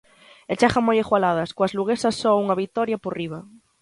E chegan moi igualadas, coas luguesas só unha vitoria por riba.